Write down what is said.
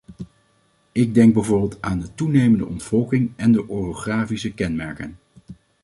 Ik denk bijvoorbeeld aan de toenemende ontvolking en de orografische kenmerken.